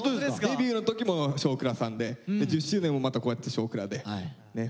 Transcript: デビューの時も「少クラ」さんで１０周年もまたこうやって「少クラ」でね。